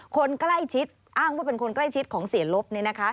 คนใกล้ชิดอ้างว่าเป็นคนใกล้ชิดของเสียรบเนี่ยนะคะ